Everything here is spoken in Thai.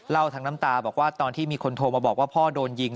ทั้งน้ำตาบอกว่าตอนที่มีคนโทรมาบอกว่าพ่อโดนยิง